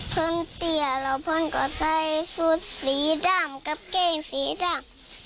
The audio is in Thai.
เพลินเตี้ยเราเพลินก็ได้สูตรสีดำกับเก่งสีดำ